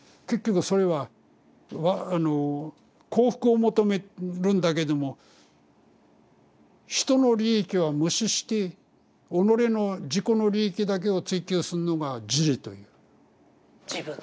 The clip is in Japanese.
結局それは幸福を求めるんだけども人の利益は無視して己の自己の利益だけを追求すんのが「自利」と言う。